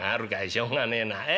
しょうがねえな。え？